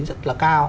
rất là cao